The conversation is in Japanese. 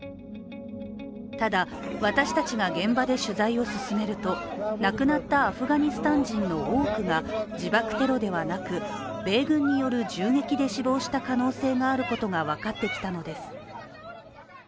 ただ私たちが現場で取材を進めると亡くなったアフガニスタン人の多くが自爆テロではなく米軍による銃撃で死亡した可能性があることが分かってきたのです。